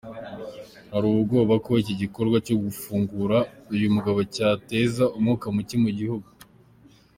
Hari ubwoba ko iki gikorwa cyo gufungura uyu mugabo cyateza umwuka muke mu gihugu.